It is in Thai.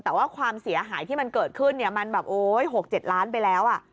แต่ว่าความเสียหายที่มันเกิดขึ้นเนี่ยมันแบบโอ๊ย๖๗ล้านไปแล้ว